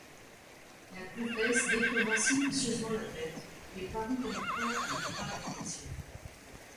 La comtesse détourna silencieusement la tête et parut en proie à de graves réflexions.